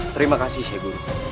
terima kasih seh guru